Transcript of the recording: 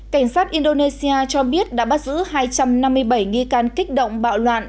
cảnh sát indonesia cho biết đã bắt giữ hai trăm năm mươi bảy nghi can kích động bạo loạn